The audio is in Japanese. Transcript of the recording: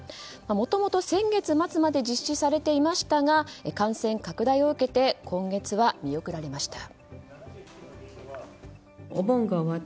もともと先月末まで実施されていましたが感染拡大を受けて今月は見送られました。